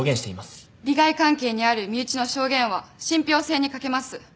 利害関係にある身内の証言は信ぴょう性に欠けます。